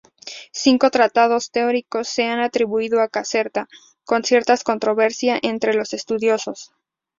Cinco tratados teóricos se han atribuido a Caserta, con cierta controversia entre los estudiosos.